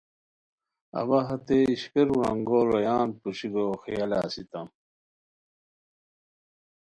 اوا ہتے اشپیرو رنگو رویان پوشیکو خیالہ اسیتام